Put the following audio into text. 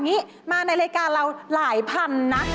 มาในรายการเราหลายพันนะ